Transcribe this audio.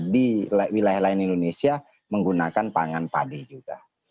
di wilayah lain indonesia menggunakan pangan padi juga